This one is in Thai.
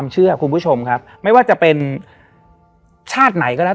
และวันนี้แขกรับเชิญที่จะมาเยี่ยมในรายการสถานีผีดุของเรา